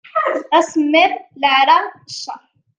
Asemmiḍ, leɛra, cceṛ.